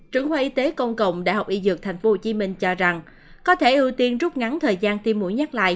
trưởng khoa y tế công cộng đại học y dược tp hcm cho rằng có thể ưu tiên rút ngắn thời gian tiêm mũi nhắc lại